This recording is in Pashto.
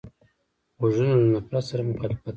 غوږونه له نفرت سره مخالفت کوي